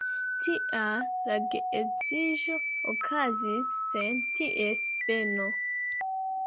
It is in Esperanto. Tial la geedziĝo okazis sen ties beno.